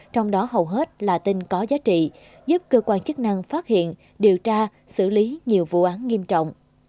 trong đó hầu hết là tin có giá trị giúp cơ quan chức năng phát hiện điều tra xử lý nhiều vụ án nghiêm trọng